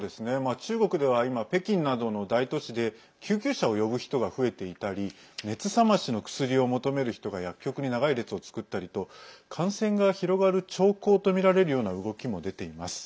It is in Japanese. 中国では、今北京などの大都市で救急車を呼ぶ人が増えていたり熱冷ましの薬を求める人が薬局に長い列を作ったりと感染が広がる兆候とみられるような動きも出ています。